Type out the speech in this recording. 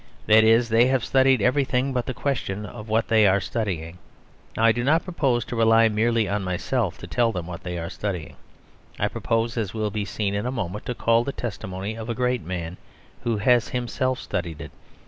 That is, they have studied everything but the question of what they are studying. Now I do not propose to rely merely on myself to tell them what they are studying. I propose, as will be seen in a moment, to call the testimony of a great man who has himself studied it.